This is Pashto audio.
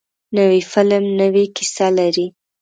نوی فلم نوې کیسه لري